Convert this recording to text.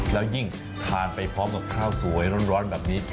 แล้วยิ่งทานไปพร้อมกับข้าวสวยร้อนแบบนี้